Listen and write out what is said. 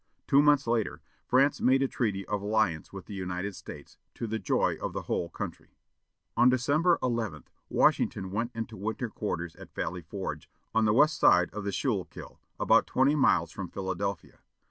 Two months later, France made a treaty of alliance with the United States, to the joy of the whole country. On December 11, Washington went into winter quarters at Valley Forge, on the west side of the Schuylkill, about twenty miles from Philadelphia.